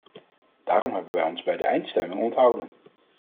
Daarom hebben wij ons bij de eindstemming onthouden.